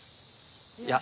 いや。